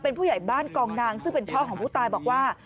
เป็นผู้ใหญ่บ้านกองนางซึ่งเป็นพ่อของผู้ตายบอกว่า